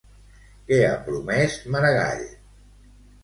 Què ha promès Maragall?